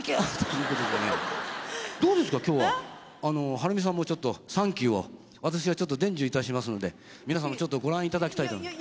はるみさんもちょっと「サンキュー」を私がちょっと伝授いたしますので皆さんもちょっとご覧いただきたいと思います。